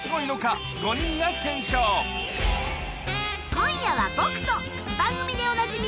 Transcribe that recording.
今夜は僕と番組でおなじみ。